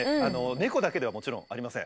猫だけではもちろんありません。